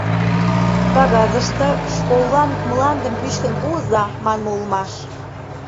Кагазыште «школлан мландым пӱчкын пуыза» манме улмаш.